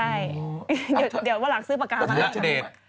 ใช่เดี๋ยววันหลังซื้อปากกามาให้